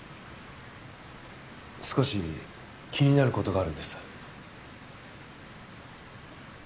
少し気になることがあるんです。